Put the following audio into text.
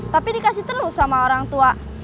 tapi dikasih terus sama orang tua